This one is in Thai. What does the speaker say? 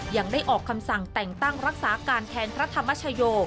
ยังได้ออกคำสั่งแต่งตั้งรักษาการแทนพระธรรมชโย